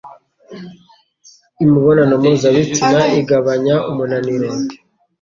Imibonano mpuzabitsina igabanya umunaniro